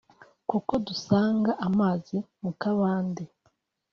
kuko dusanga amazi mu kabande »